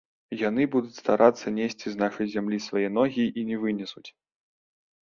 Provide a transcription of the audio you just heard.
Яны будуць старацца несці з нашай зямлі свае ногі і не вынесуць.